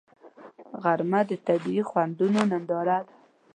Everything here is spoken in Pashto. غرمه د طبیعي خوندونو ننداره ده